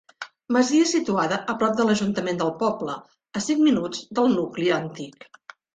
Masia situada a prop de l'ajuntament del poble, a cinc minuts del nucli antic.